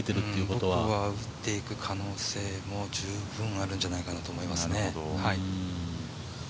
打っていく可能性も十分あるんじゃないかと思います。